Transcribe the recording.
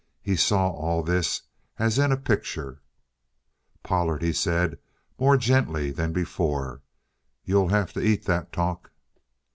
He saw all this as in a picture. "Pollard," he said, more gently than before, "you'll have to eat that talk!"